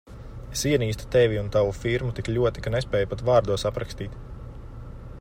Es ienīstu Tevi un tavu firmu tik ļoti, ka nespēju pat vārdos aprakstīt.